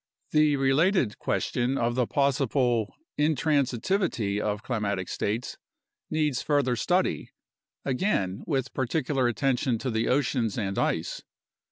The related question of the possible intransitivity of climatic states needs further study, again with particular attention to the oceans and ice.